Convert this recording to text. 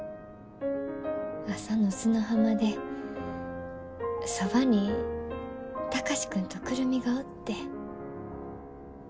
朝の砂浜でそばに貴司君と久留美がおって。